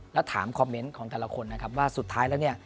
แล้วถามคอมเมนต์ของแต่ละคนนะครับว่าสุดท้ายแล้วเนี่ย